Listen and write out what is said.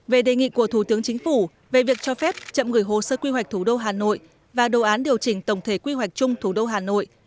về đề nghị của thủ tướng chính phủ về việc cho phép chậm gửi hồ sơ quy hoạch thủ đô hà nội và đồ án điều chỉnh tổng thể quy hoạch chung thủ đô hà nội